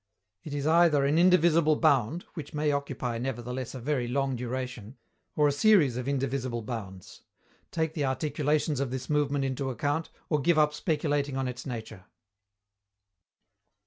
It is either an indivisible bound (which may occupy, nevertheless, a very long duration) or a series of indivisible bounds. Take the articulations of this movement into account, or give up speculating on its nature.